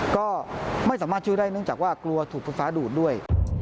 ก็ไม่สามารถช่วยได้เนื่องจากว่ากลัวถูกไฟฟ้าดูดด้วย